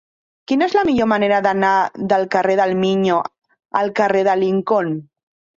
Quina és la millor manera d'anar del carrer del Miño al carrer de Lincoln?